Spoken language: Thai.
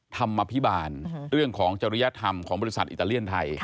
ธรรมภิบาลเรื่องของจริยธรรมของบริษัทอิตาเลียนไทย